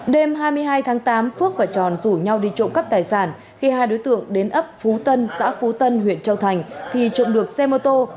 đêm hai mươi hai tháng tám phước và tròn rủ nhau đi trộm cắp tài sản khi hai đối tượng đến ấp phú tân xã phú tân huyện châu thành thì trộm được xe mô tô